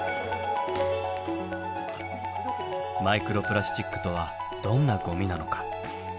マイクロプラスチックとはどんなごみなのか？